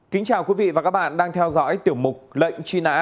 kính chào quý vị và các bạn đang theo dõi tiểu mục lệnh truy nã